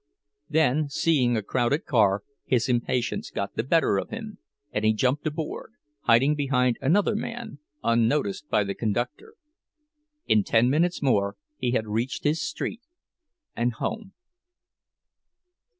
Then, seeing a crowded car, his impatience got the better of him and he jumped aboard, hiding behind another man, unnoticed by the conductor. In ten minutes more he had reached his street, and home.